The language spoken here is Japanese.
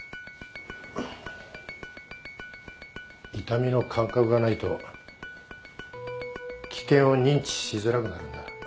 痛みの感覚がないと危険を認知しづらくなるんだ。